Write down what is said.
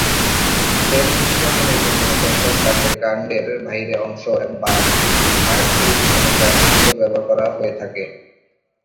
তেল নিষ্কাশনের জন্য চন্দন কাঠের কান্ডের বাইরের অংশ বা হার্ড উড এবং গাছের শিকড় ব্যবহার করা হয়ে থাকে।